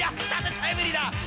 タイムリーだ］